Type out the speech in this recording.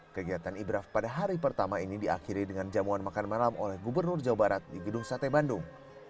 kegiatan ibraf pada hari pertama ini diakhiri dengan jamuan makan malam oleh gubernur jawa barat di gedung sate bandung